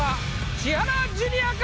千原ジュニアか？